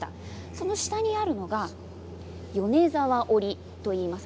その下があるのが米沢織といいます。